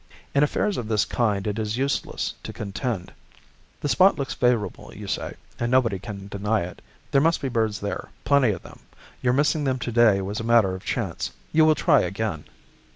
In affairs of this kind it is useless to contend. The spot looks favorable, you say, and nobody can deny it; there must be birds there, plenty of them; your missing them to day was a matter of chance; you will try again.